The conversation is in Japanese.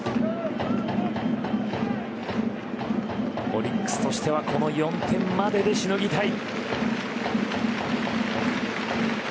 オリックスとしてはこの４点までしのぎたい。